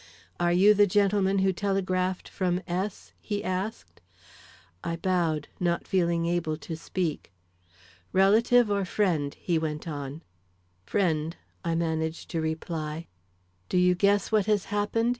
"Are you the gentleman who telegraphed from S ?" he asked. I bowed, not feeling able to speak. "Relative or friend?" he went on. "Friend," I managed to reply. "Do you guess what has happened?"